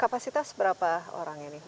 kapasitas berapa orang ini